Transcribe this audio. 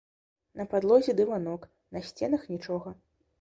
На падлозе дыванок, на сценах нічога.